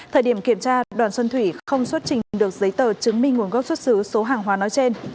thời điểm kiểm tra đoàn xuân thủy không xuất trình được giấy tờ chứng minh nguồn gốc xuất xứ số hàng hóa nói trên